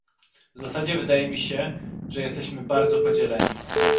W zasadzie wydaje mi się, że jesteśmy bardzo podzieleni